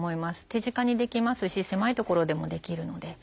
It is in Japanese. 手近にできますし狭い所でもできるので。